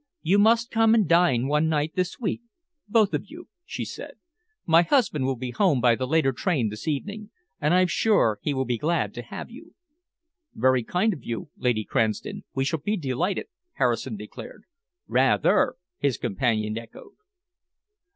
"You must come and dine one night this week, both of you," she said. "My husband will be home by the later train this evening, and I'm sure he will be glad to have you." "Very kind of you, Lady Cranston, we shall be delighted," Harrison declared. "Rather!" his companion echoed.